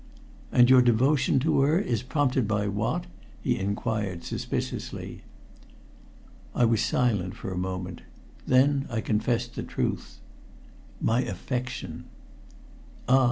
"And your devotion to her is prompted by what?" he inquired suspiciously. I was silent for a moment. Then I confessed the truth. "My affection." "Ah!"